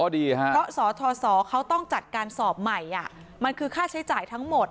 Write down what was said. เพราะสทศเขาต้องจัดการสอบใหม่มันคือค่าใช้จ่ายทั้งหมด